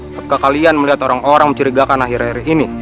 ketika kalian melihat orang orang mencurigakan akhir akhir ini